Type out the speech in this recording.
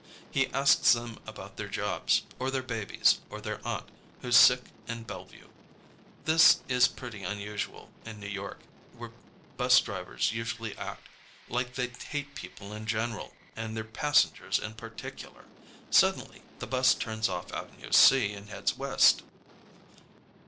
He asks them about their jobs, or their babies, or their aunt who's sick in Bellevue. This is pretty unusual in New York, where bus drivers usually act like they hate people in general and their passengers in particular. Suddenly the bus turns off Avenue C and heads west.